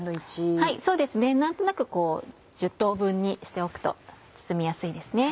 そうですね何となく１０等分にしておくと包みやすいですね。